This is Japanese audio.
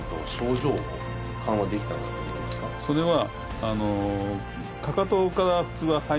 それは。